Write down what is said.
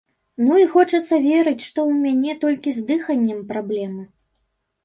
Ну, і хочацца верыць, што ў мяне толькі з дыханнем праблемы.